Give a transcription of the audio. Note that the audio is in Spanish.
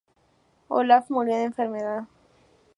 Olaf murió de enfermedad.